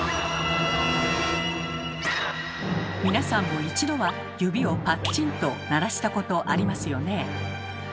皆さんも一度は指をパッチンと鳴らしたことありますよね？